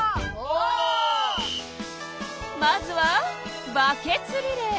まずはバケツリレー。